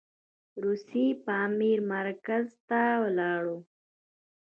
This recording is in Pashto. روسي پامیر مرکز ته ولاړو.